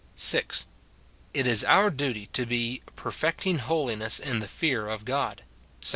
6. It is our duty to be "perfecting holiness in the fear of God," 2 Cor.